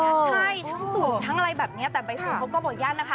ใช่ทั้งสูงทั้งอะไรแบบนี้เขาก็บอกอย่างนะคะ